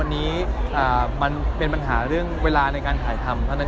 อันนี้มันเป็นปัญหาเรื่องเวลาในการถ่ายทำเท่านั้น